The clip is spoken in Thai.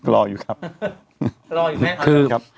รออยู่ไหมครับ